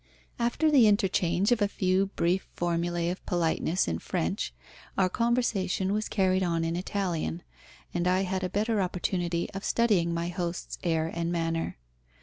After the interchange of a few brief formulae of politeness in French, our conversation was carried on in Italian, and I had a better opportunity of studying my host's air and manner.